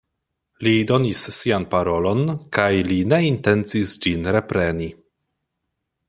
Li donis sian parolon, kaj li ne intencis ĝin repreni.